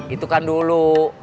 itu kan dulu